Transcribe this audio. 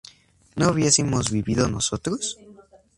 ¿no hubiésemos vivido nosotros?